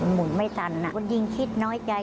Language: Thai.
หมุนไม่ทันคนยิงคิดน้อยใจ